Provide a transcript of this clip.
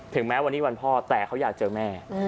แม้วันนี้วันพ่อแต่เขาอยากเจอแม่